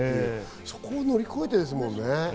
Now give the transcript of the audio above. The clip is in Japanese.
そこを乗り越えてですもんね。